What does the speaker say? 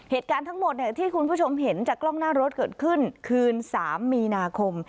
เหตุการณ์ทั้งหมดที่คุณผู้ชมเห็นจากกล้องหน้ารถเกิดขึ้นคืน๓มีนาคม